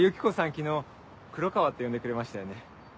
昨日「黒川」って呼んでくれましたよね。